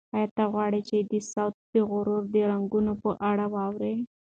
ایا ته غواړې چې د سوات د غرو د رنګونو په اړه واورې؟